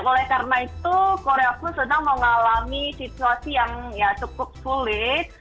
oleh karena itu korea pun sedang mengalami situasi yang cukup sulit